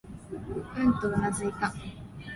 うん、とうなずいた。